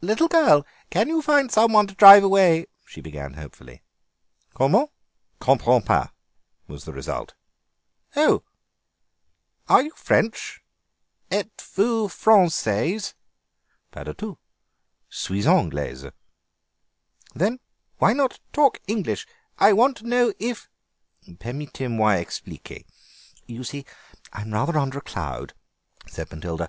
"Little girl, can you find some one to drive away—" she began hopefully. "Comment? Comprends pas," was the response. "Oh, are you French? Êtes vous française?" "Pas de tous. 'Suis anglaise." "Then why not talk English? I want to know if—" "Permettez moi expliquer. You see, I'm rather under a cloud," said Matilda.